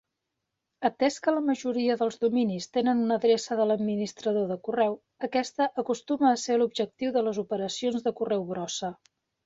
Atès que la majoria dels dominis tenen una adreça de l'administrador de correu, aquesta acostuma a ser l'objectiu de les operacions de correu brossa.